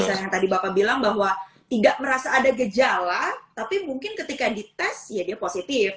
misalnya yang tadi bapak bilang bahwa tidak merasa ada gejala tapi mungkin ketika dites ya dia positif